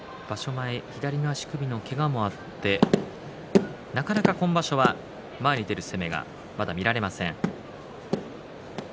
前、左の足首のけがもあってなかなか今場所は前に出る攻めがまだ見られません。